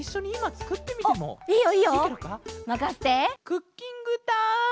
クッキングタイム！